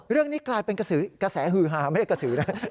เรื่องนี้กลายเป็นกระแสฮือหาไม่ได้กระสือนะ